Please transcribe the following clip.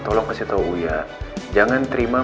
tolong kasih tau uya jangan terima